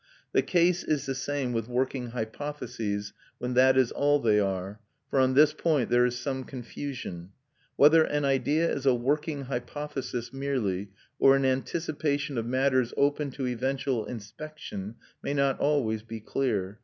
The case is the same with working hypotheses, when that is all they are; for on this point there is some confusion. Whether an idea is a working hypothesis merely or an anticipation of matters open to eventual inspection may not always be clear.